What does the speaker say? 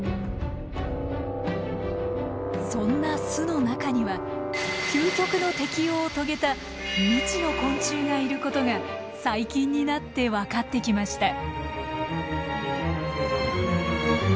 そんな巣の中には究極の適応を遂げた未知の昆虫がいることが最近になって分かってきました。